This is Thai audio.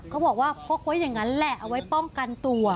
เขาบอกว่าพกไว้อย่างนั้นแหละเอาไว้ป้องกันตัว